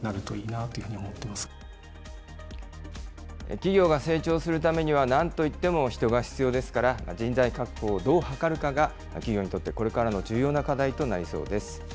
企業が成長するためには、なんといっても人が必要ですから、人材確保をどう図るかが企業にとってこれからの重要な課題となりそうです。